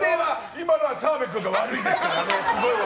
今のは澤部君が悪いですからね。